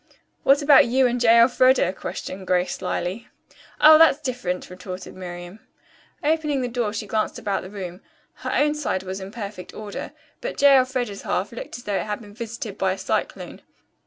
"What about you and J. Elfreda?" questioned Grace slyly. "Oh, that's different," retorted Miriam. Opening the door she glanced about the room. Her own side was in perfect order, but J. Elfreda's half looked as though it had been visited by a cyclone.